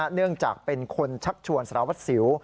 เนื่องจากเป็นคนชักชวนสารวัตรสิว